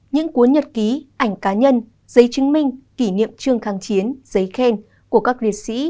những cuốn nhật ký ảnh cá nhân giấy chứng minh kỷ niệm trương kháng chiến giấy khen của các liệt sĩ